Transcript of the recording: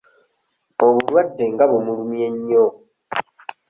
Obulwadde nga bumulumye nnyo.